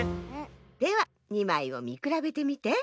では２まいをみくらべてみて。